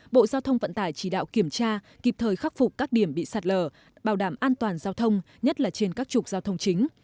bộ giao thông vận tải chỉ đạo kiểm tra kịp thời khắc phục các điểm bị sạt lở bảo đảm an toàn giao thông nhất là trên các trục giao thông chính